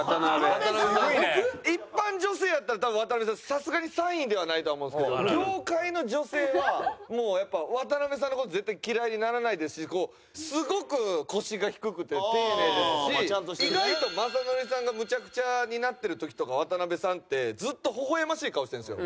さすがに３位ではないとは思うんですけど業界の女性はもうやっぱ渡辺さんの事絶対嫌いにならないですしこうすごく腰が低くて丁寧ですし意外と雅紀さんがむちゃくちゃになってる時とか渡辺さんってずっとほほ笑ましい顔してるんですよ。